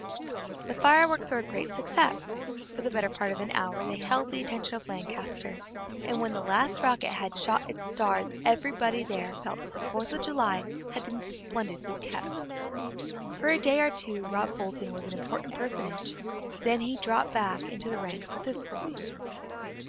The fireworks were a great success; for the better part of an hour they held the attention of Lancaster, and when the last rocket had shot out its stars every boy there felt that the Fourth of July had been splendidly kept. For a day or two Rob Fulton was an important personage, then he dropped back into the ranks with his schoolmates.